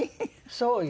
そうよ。